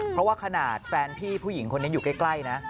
เพราะว่าขนาดแฟนพี่ผู้หญิงคนนี้อยู่ใกล้นะ